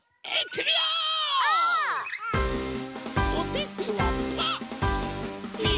おててはパー。